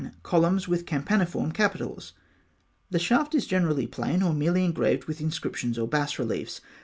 Columns with Campaniform Capitals. The shaft is generally plain, or merely engraved with inscriptions or bas reliefs.